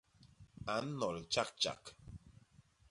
A nnol tjak tjak.